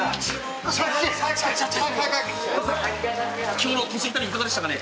今日の栃木旅いかがでしたかね？